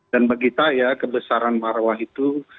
dan bagi saya kebesaran marwah itu